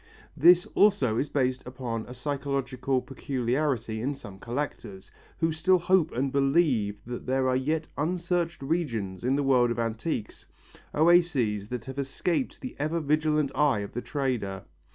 This also is based upon a psychological peculiarity of some collectors, who still hope and believe that there are yet unsearched regions in the world of antiques, oases that have escaped the ever vigilant eye of the trader.